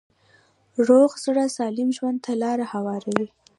روغ زړه سالم ژوند ته لاره هواروي.